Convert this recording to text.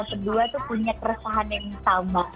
berdua tuh punya perusahaan yang sama